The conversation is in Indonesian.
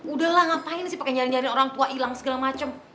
udahlah ngapain sih pakai nyari nyari orang tua hilang segala macem